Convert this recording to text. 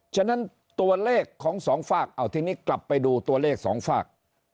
ฉะนั้นตัวเลขของสองฝากเอาทีนี้กลับไปดูตัวเลขสองฝาก